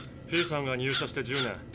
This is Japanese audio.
フィーさんが入社して１０年。